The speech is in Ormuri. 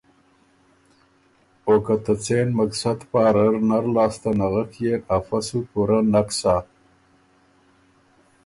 او که ته څېن مقصد پاره ر نر لاسته نغک يېن افۀ سو پُورۀ نک سۀ۔